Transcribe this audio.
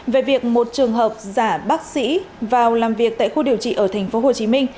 về việc một trường hợp giả bác sĩ vào làm việc tại khu điều trị ở tp hcm